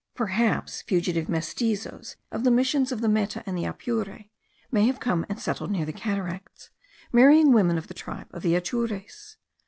Perhaps fugitive mestizos of the missions of the Meta and Apure may have come and settled near the Cataracts, marrying women of the tribe of the Atures.